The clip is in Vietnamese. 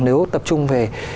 nếu tập trung về